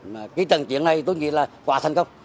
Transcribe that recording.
mà cái trận chiến này tôi nghĩ là quá thành công